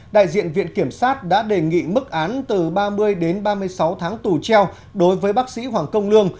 đại diện viện kiểm sát đã đề nghị mức án từ ba mươi đến ba mươi sáu tháng tù treo đối với bác sĩ hoàng công lương